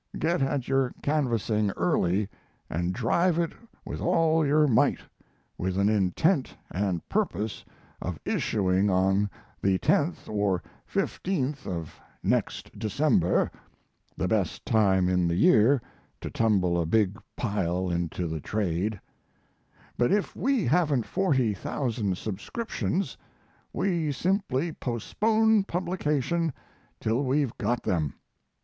Get at your canvassing early and drive it with all your might, with an intent and purpose of issuing on the 10th or 15th of next December (the best time in the year to tumble a big pile into the trade); but if we haven't 40,000 subscriptions we simply postpone publication till we've got them.